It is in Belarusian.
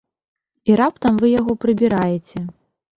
І раптам вы яго прыбіраеце.